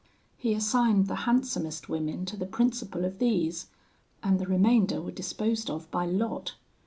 He assigned the handsomest women to the principal of these, and the remainder were disposed of by lot.